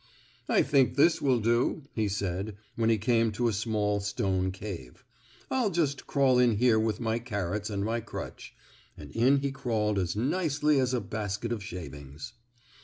"I think this will do," he said, when he came to a small stone cave. "I'll just crawl in here with my carrots and my crutch," and in he crawled as nicely as a basket of shavings.